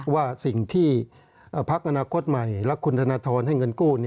ว่าสิ่งที่พักอนาคตใหม่และคุณธนทรให้เงินกู้